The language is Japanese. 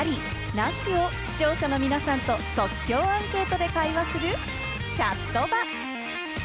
なし？を視聴者の皆さんと即興アンケートで会話するチャットバ。